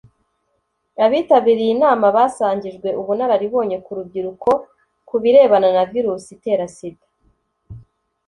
Abitabiriye inama basangijwe ubunararibonye ku rubyiruko ku birebana na virusi itera Sida